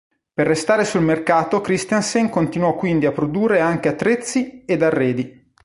Per restare sul mercato Kristiansen continuò quindi a produrre anche attrezzi ed arredi.